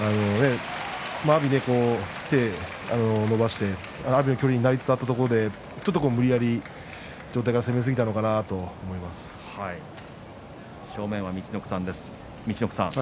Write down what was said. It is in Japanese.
阿炎が手を伸ばして阿炎の距離になったところでちょっと無理やり上体で攻めすぎたのかな陸奥さん